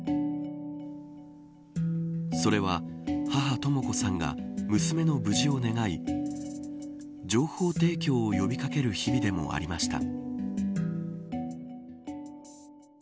それは、母とも子さんが娘の無事を願い情報提供を呼びかける日々でもありました。